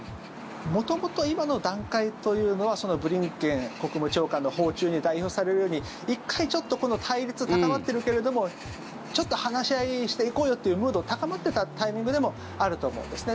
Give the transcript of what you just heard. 元々、今の段階というのはブリンケン国務長官の訪中に代表されるように一回ちょっとこの対立、高まってるけれどもちょっと話し合いしていこうよっていうムードが高まってたタイミングでもあると思うんですね。